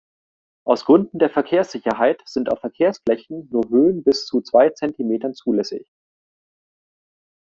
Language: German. Aus Gründen der Verkehrssicherheit sind auf Verkehrsflächen nur Höhen bis zu zwei Zentimetern zulässig.